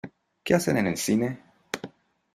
¿Qué hacen en el cine?